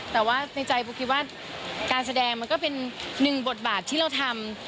แต่ว่าในใจปุ๊กคิดว่าการแสดงมันก็เป็นหนึ่งบทบาทที่เราทำ